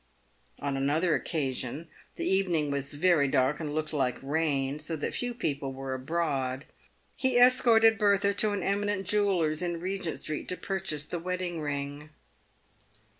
On another occasion — the evening w T as very dark and looked like rain, so that few people were abroad — he escorted Bertha to an eminent jeweller's in Kegent street to purchase the wedding ring.